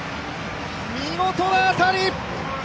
見事な当たり！